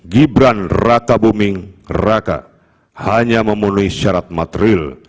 gibran raka buming raka hanya memenuhi syarat material